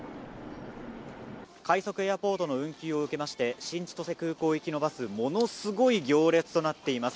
快速エアポートの運休を受けまして新千歳空港行きのバスものすごい行列となっています。